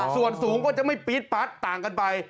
ส่วนสูงก็จะไม่ปี๊ดปั๊ดต่างกันไป